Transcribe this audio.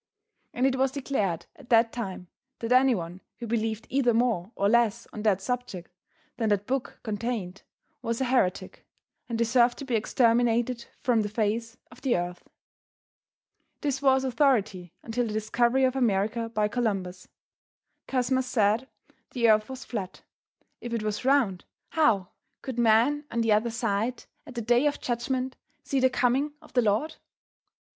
And it was declared at that time that anyone who believed either more or less on that subject than that book contained was a heretic and deserved to be exterminated from the face of the earth. This was authority until the discovery of America by Columbus. Cosmas said the earth was flat; if it was round how could men on the other side at the day of judgment see the coming of the Lord?